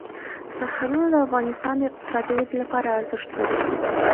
سرحدونه د افغانستان د اقتصادي ودې لپاره ارزښت لري.